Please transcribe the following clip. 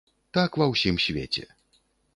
Так ва ўсім свеце.